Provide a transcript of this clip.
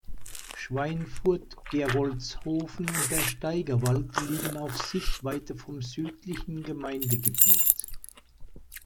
Schweinfurt, Gerolzhofen und der Steigerwald liegen auf Sichtweite vom südlichen Gemeindegebiet.